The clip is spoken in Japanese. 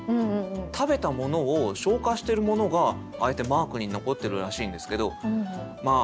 食べたものを消化しているものがああやってマークに残っているらしいんですけどまあ